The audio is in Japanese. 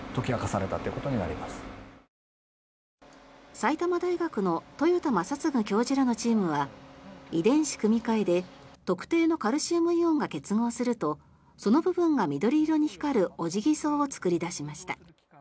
埼玉大学の豊田正嗣教授らのチームは遺伝子組み換えで特定のカルシウムイオンが結合するとその部分が緑色に光るオジギソウを作り出しました。